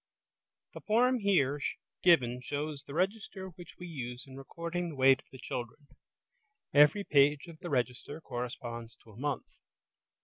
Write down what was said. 7 The form here given shows the register which we use in recording the weight of the children. Every page of the register corresponds to a month.